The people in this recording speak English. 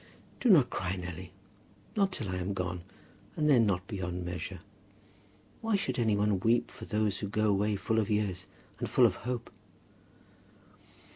Do not cry, Nelly, not till I am gone; and then not beyond measure. Why should any one weep for those who go away full of years, and full of hope?"